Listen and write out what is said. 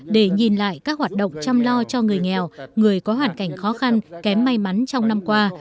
để nhìn lại các hoạt động chăm lo cho người nghèo người có hoàn cảnh khó khăn kém may mắn trong năm qua